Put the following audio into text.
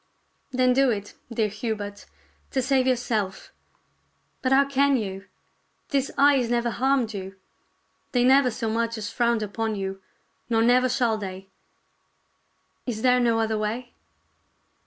"Then do it, dear Hubert, to save yourself. But how can you? These eyes never harmed you. They never so much as frowned upon you, nor never shall they. Is there no other way